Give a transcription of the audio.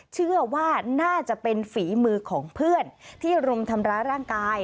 เชื่อว่าน่าจะเป็นฝีมือของเพื่อนที่รุมทำร้ายร่างกาย